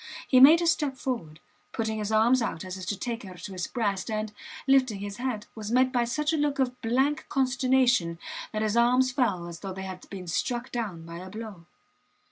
He made a step forward, putting his arms out, as if to take her to his breast, and, lifting his head, was met by such a look of blank consternation that his arms fell as though they had been struck down by a blow.